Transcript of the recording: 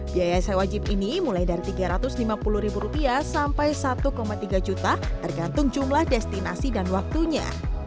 biaya sewa jeep ini mulai dari rp tiga ratus lima puluh sampai rp satu tiga juta tergantung jumlah destinasi dan waktunya